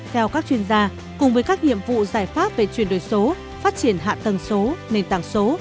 theo các chuyên gia cùng với các nhiệm vụ giải pháp về chuyển đổi số phát triển hạ tầng số nền tảng số